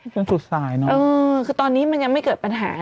ช่วงสุดสายเนอะคือตอนนี้มันยังไม่เกิดปัญหา